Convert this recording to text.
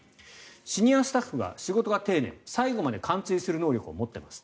シニアスタッフは仕事が丁寧で最後まで完遂する能力を持っています